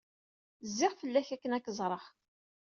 Zziɣ fell-ak akken ad k-ẓreɣ.